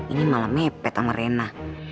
ini malam mepet sama rena